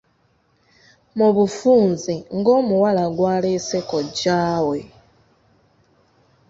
Mu bufunze ng'omuwala gw'aleese kojja we.